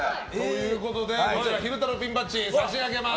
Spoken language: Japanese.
昼太郎ピンバッジ差し上げます。